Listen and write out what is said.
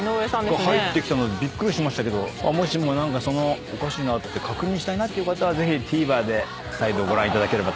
入ってきたのでびっくりしましたもしも何かおかしいなって確認したいなって方はぜひＴＶｅｒで再度ご覧いただければと思います。